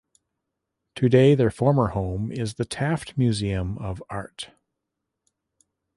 Today their former home is the Taft Museum of Art.